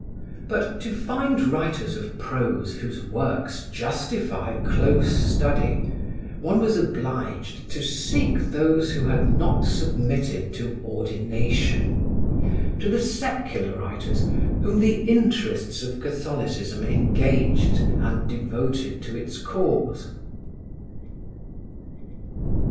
But to find writers of prose whose works justify close study, one was obliged to seek those who had not submitted to Ordination; to the secular writers whom the interests of Catholicism engaged and devoted to its cause.